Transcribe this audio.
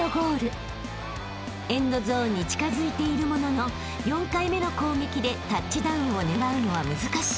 ［エンドゾーンに近づいているものの４回目の攻撃でタッチダウンを狙うのは難しい］